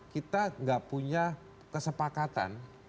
kita gak punya kesepakatan